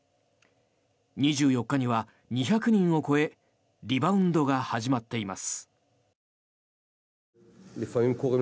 ２４日には２００人を超えリバウンドが始まっています。